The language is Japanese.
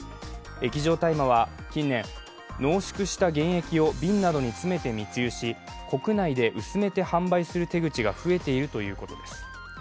液状大麻は近年、濃縮した原液を瓶などに詰めて密輸し、国内で薄めて販売する手口が増えているということです。